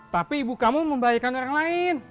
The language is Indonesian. tapi ibu kamu membahayakan orang lain